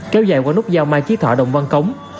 kéo dài qua nút giao mai chí thọ đồng văn cống